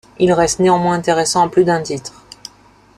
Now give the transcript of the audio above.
Il reste néanmoins intéressant à plus d’un titre.